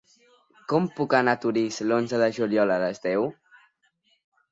Com puc anar a Torís l'onze de juliol a les deu?